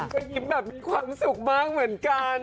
ก็ยิ้มแบบมีความสุขมากเหมือนกัน